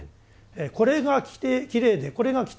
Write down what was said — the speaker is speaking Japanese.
これがきれいでこれが汚い。